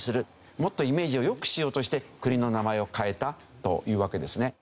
もっとイメージを良くしようとして国の名前を変えたというわけですね。